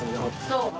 そう。